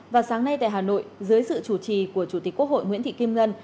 vào sáng nay tại hà nội dưới sự chủ trì của chủ tịch quốc hội nguyễn thị kim ngân